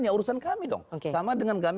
ya urusan kami dong sama dengan kami